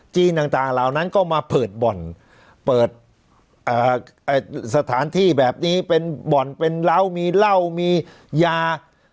จีนต่างเหล่านั้นก็มาเปิดบ่อนเปิดสถานที่แบบนี้เป็นบ่อนเป็นเหล้ามีเหล้ามียา